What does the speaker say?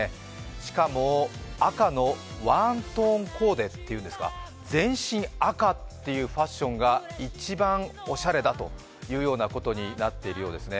しかも、赤のワントーンコーデというんですか全身赤というファッションが一番おしゃれだというようなことになっているようですね。